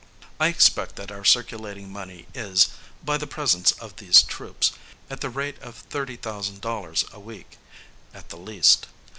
I expect that our circulating money is, by the presence of these troops, at the rate of $30,000 a week, at the least.